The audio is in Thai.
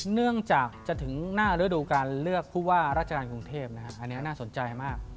เนื่องจากจะถึงหน้าฤดูการเลือกผู้ว่าราชการกรุงเทพนะครับอันนี้น่าสนใจมาก